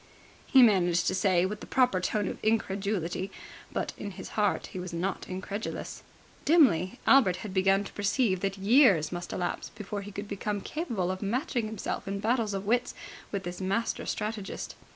he managed to say with the proper note of incredulity, but in his heart he was not incredulous. Dimly, Albert had begun to perceive that years must elapse before he could become capable of matching himself in battles of wits with this master strategist.